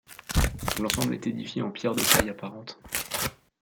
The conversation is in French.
L'ensemble est édifié en pierres de taille apparentes.